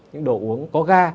những đồ uống có ga